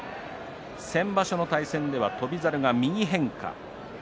先場所の対戦では翔猿が右変化。